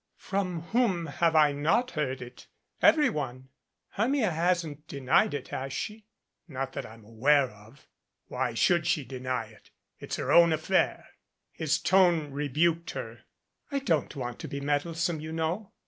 "From whom have I not heard it? Everyone. Her mia hasn't denied it, has she?" "Not that I'm aware of. Why should she deny it? It's her own affair." His tone rebuked her. "I don't want to be meddlesome, you know.